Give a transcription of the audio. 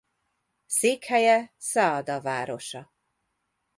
Székhelye Szaada városa.